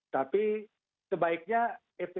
tapi sebaiknya fpi juga memperkenalkan